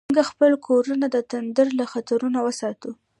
څنګه خپل کورونه د تندر له خطرونو وساتو؟